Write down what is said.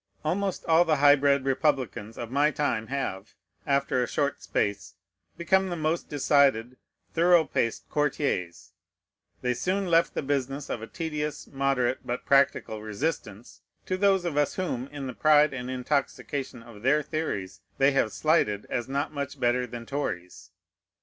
Almost all the high bred republicans of my time have, after a short space, become the most decided, thorough paced courtiers; they soon left the business of a tedious, moderate, but practical resistance, to those of us whom, in the pride and intoxication of their theories, they have slighted as not much better than Tories.